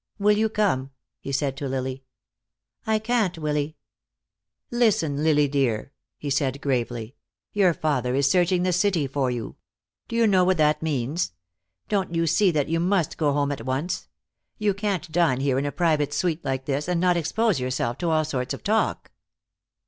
"Will you come?" he said to Lily. "I can't, Willy." "Listen, Lily dear," he said gravely. "Your father is searching the city for you. Do you know what that means? Don't you see that you must go home at once? You can't dine here in a private suite, like this, and not expose yourself to all sorts of talk."